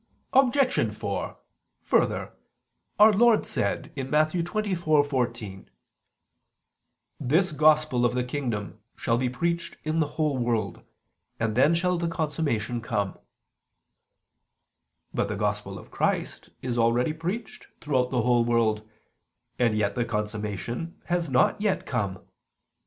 Obj. 4: Further, Our Lord said (Matt. 24:14): "This Gospel of the kingdom shall be preached in the whole world ... and then shall the consummation come." But the Gospel of Christ is already preached throughout the whole world: and yet the consummation has not yet come.